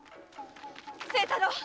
清太郎！